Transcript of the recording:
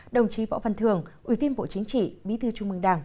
đồng chí võ văn thường ủy viên bộ chính trị bí thư trung mương đảng